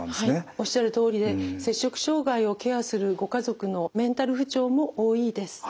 おっしゃるとおりで摂食障害をケアするご家族のメンタル不調も多いです。